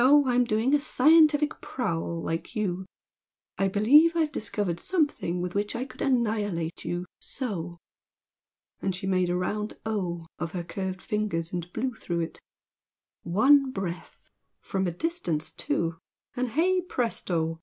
I'm doing a scientific 'prowl,' like you. I believe I've discovered something with which I could annihilate you so!" and she made a round O of her curved fingers and blew through it "One breath! from a distance, too! and hey presto!